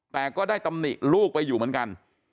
แต่ก็ได้ตำหนิลูกไปอยู่เหมือนกัน